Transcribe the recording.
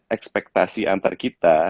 ekspektasi antar kita